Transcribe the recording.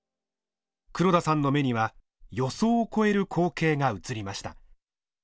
黒田さんの目には予想を超える光景が映りました。